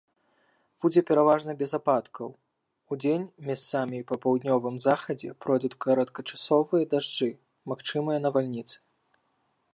Будзе пераважна без ападкаў, удзень месцамі па паўднёвым захадзе пройдуць кароткачасовыя дажджы, магчымыя навальніцы.